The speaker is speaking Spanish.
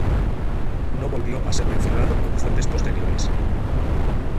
No volvió a ser mencionado en fuentes posteriores.